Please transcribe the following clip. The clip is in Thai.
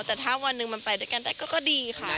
แต่ถ้าวันหนึ่งมันไปด้วยกันได้ก็ดีค่ะ